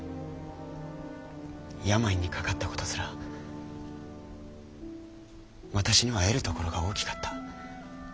病にかかった事すら私には得るところが大きかった。